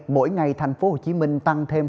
mỗi ngày thành phố hồ chí minh tăng thêm